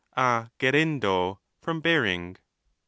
a gerendo, irom bearing.